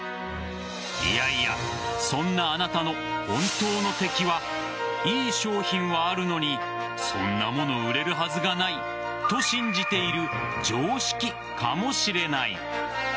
いやいやそんなあなたの本当の敵は良い商品はあるのにそんなもの売れるはずがないとあぁ降ってきた！